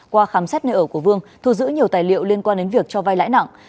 qua khám xét nơi ở của vương thu giữ nhiều tài liệu liên quan đến việc cho vai lãi nặng